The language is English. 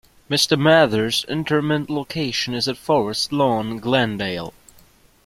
Mr. Mather's interment location is at Forest Lawn, Glendale.